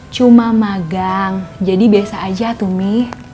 cuma magang jadi biasa aja tuh mie